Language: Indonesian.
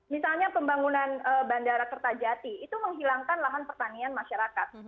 misalnya pembangunan bandara kertajati itu menghilangkan lahan pertanian masyarakat